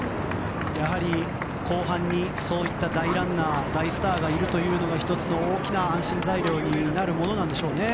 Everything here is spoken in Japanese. やはり後半にそういった大ランナー大スターがいるというのが１つの大きな安心材料になるものなんでしょうね。